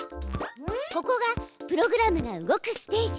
ここがプログラムが動くステージ。